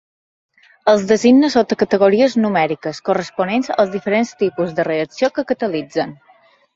Els designa sota categories numèriques, corresponents als diferents tipus de reacció que catalitzen.